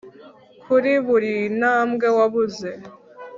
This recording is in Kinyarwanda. kuri buri ntambwe wabuze